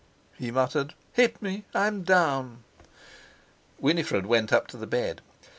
he muttered, "hit me! I'm down!" Winifred went up to the bed.